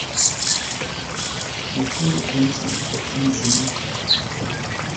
Mɛ kpór oí kam kɔ kpána yínɛ́.